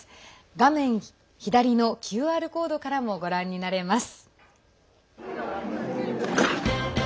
画面左のＱＲコードからもご覧になれます。